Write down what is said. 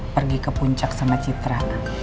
pergi ke puncak sama citra